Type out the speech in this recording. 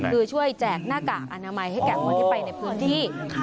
คือช่วยแจกหน้ากากอนามัยให้แก่คนที่ไปในพื้นที่